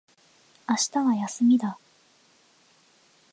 明日は休みだ